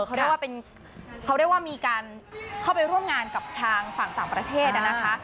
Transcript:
เขาเรียกว่ามีการเข้าไปร่วมงานกับทางฝั่งต่างประเทศนะคะ